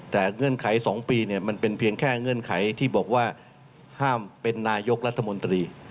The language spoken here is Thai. แต่เงื่อนไข๒ปีมันเป็นเพียงแค่เงื่อนไขที่บอกว่าห้ามเป็นนายกรัฐมนตรี